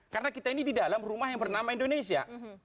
karena kita ini di dalam rumah yang bernama indonesia